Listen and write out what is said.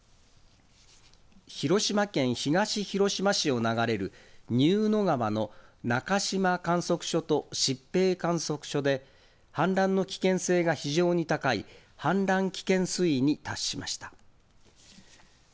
広島県東広島市を流れる入野川のなかのしま観測所としっぺい観測所で、氾濫の危険性が非常に高い氾濫危険水位に達しました。